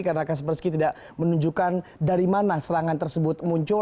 karena kaspersky tidak menunjukkan dari mana serangan tersebut muncul